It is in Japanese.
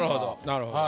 なるほど。